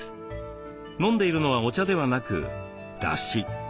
飲んでいるのはお茶ではなくだし。